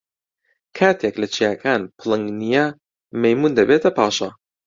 کاتێک لە چیاکان پڵنگ نییە، مەیموون دەبێتە پاشا.